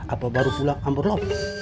apa baru pula ampun lo